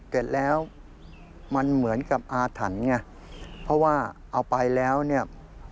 เสร็จแล้วมันเหมือนกับอาถรรพ์ไงเพราะว่าเอาไปแล้วเนี่ย